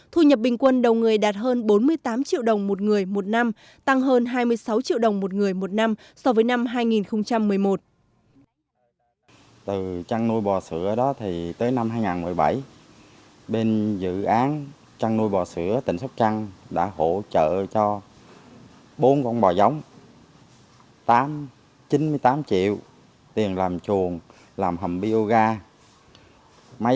thu nhập bình quân đầu người đạt hơn bốn mươi tám triệu đồng một người một năm